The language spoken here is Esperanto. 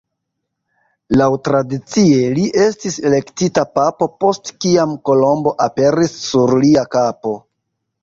Laŭtradicie, li estis elektita papo, post kiam kolombo aperis sur lia kapo.